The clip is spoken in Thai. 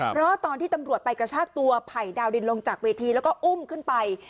เพราะตอนที่ตำรวจไปกระชากตัวไผ่ดาวดินลงจากเวทีแล้วก็อุ้มขึ้นไป